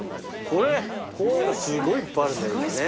これこういうのすごいいっぱいあるんだ今ね。